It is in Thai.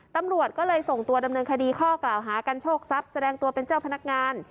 ตำรวจก็เลยส่งตัวดำเนินคดีข้อกล่าวหากันโชคทรัพย์แสดงตัวเป็นเจ้าพนักงาน